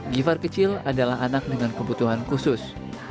givhar kecil adalah anak dengan kebutuhan khusus